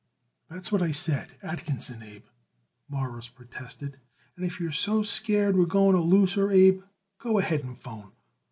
"That's what I said Atkinson Abe," Morris protested; "and if you're so scared we're going to lose her, Abe, go ahead and 'phone.